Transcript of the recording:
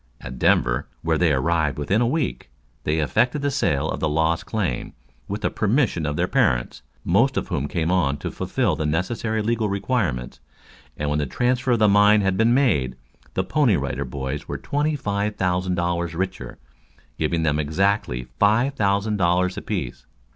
At Denver, where they arrived within a week, they effected a sale of the Lost Claim, with the permission of their parents, most of whom came on to fulfill the necessary legal requirements, and when the transfer of the mine had been made, the Pony Rider Boys were twenty five thousand dollars richer, giving them exactly five thousand dollars apiece.